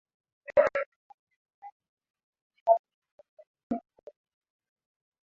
shukrani sana laki mwachomi kwa utathmini huo ukiwa mombasa